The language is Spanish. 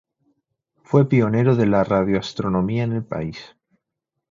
Fue pionero de la radioastronomía en el país.